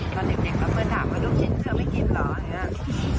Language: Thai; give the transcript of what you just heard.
ตอนเด็กแล้วเพื่อนถามว่าลูกชิ้นเหลือไม่กินเหรอ